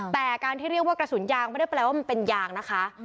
แต่การที่เรียกว่ากระสุนยางไม่ได้แปลว่ามันเป็นยางนะคะ